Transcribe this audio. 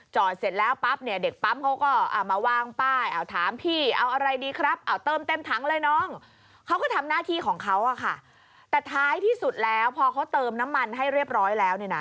จอดเสร็จแล้วปั๊บเนี่ย